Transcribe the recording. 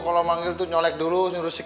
kalau manggil tuh nyolek dulu